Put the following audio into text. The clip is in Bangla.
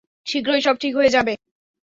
শীঘ্রই সব ঠিক হয়ে যাবে।